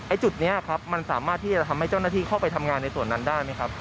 จุดนี้ครับมันสามารถที่จะทำให้เจ้าหน้าที่เข้าไปทำงานในส่วนนั้นได้ไหมครับ